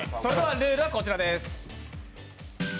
ルールはこちらです。